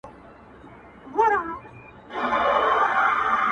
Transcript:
د خوشحال غزل غزل مي دُر دانه دی،